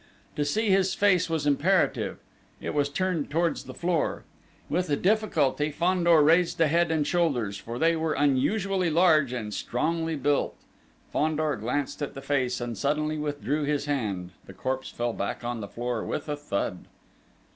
To see his face was imperative: it was turned towards the floor. With difficulty Fandor raised the head and shoulders, for they were unusually large and strongly built. Fandor glanced at the face and suddenly withdrew his hand: the corpse fell back on the floor with a thud!